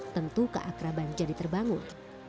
tentu keakraban jadi terbangun